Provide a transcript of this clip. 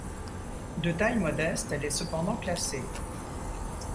De taille modeste, elle est cependant classée.